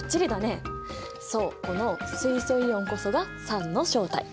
そうこの水素イオンこそが酸の正体！